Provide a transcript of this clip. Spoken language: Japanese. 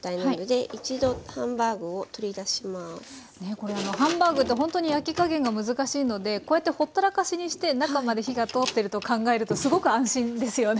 これあのハンバーグって本当に焼き加減が難しいのでこうやってほったらかしにして中まで火が通っていると考えるとすごく安心ですよね。